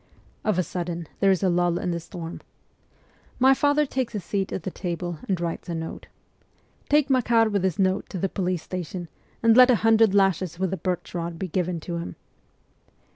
Of a sudden there is a lull in the storm. My father takes his seat at the table and writes a note. ' Take Makar with this note to the police station, and let a hundred lashes with the birch rod be given to him.'